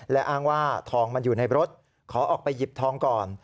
และอ้างว่าทองมันอยู่ในรถขอออกไปหยิบทองก่อน